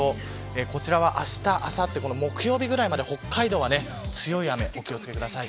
こちらは、あした、あさって木曜日ぐらいまで北海道は強い雨にお気を付けください。